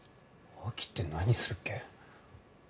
秋って何するっけ？